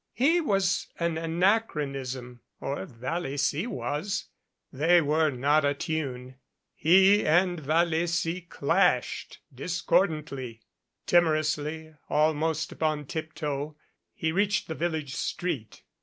He was an ana chronism, or Vallecy was. They were not attune. He and Vallecy clashed discordantly. Timorously, almost upon tiptoe, he reached the village street.